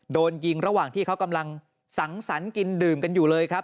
โดนยิงระหว่างที่เขากำลังสังสรรค์กินดื่มกันอยู่เลยครับ